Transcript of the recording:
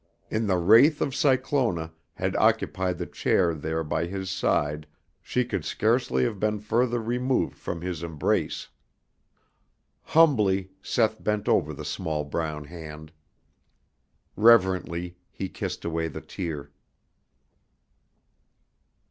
If the wraith of Cyclona had occupied the chair there by his side she could scarcely have been further removed from his embrace. Humbly Seth bent over the small brown hand. Reverently he kissed away the tear.